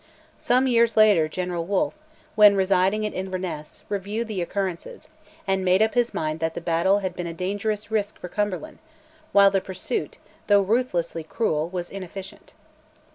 Some years later General Wolfe, then residing at Inverness, reviewed the occurrences, and made up his mind that the battle had been a dangerous risk for Cumberland, while the pursuit (though ruthlessly cruel) was inefficient.